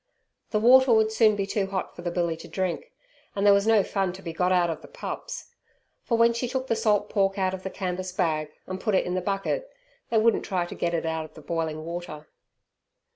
The water would soon be too hot for the billy to drink, and there was no fun to be got out of the pups. For when she took the salt pork out of the canvas bag and put it in the bucket, they wouldn't try to get it out of boiling water.